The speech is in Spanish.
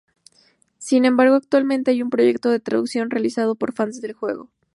Sin embargo actualmente hay un proyecto de traducción realizado por fans del juego.